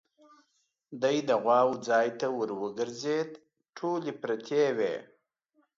دی د غواوو ځای ته ور وګرځېد، ټولې پرتې وې.